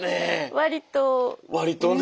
割とね。